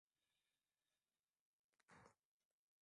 Waikizu Waisenye Waikoma Wakwaya Waluli Washashi Wanata na Wasweta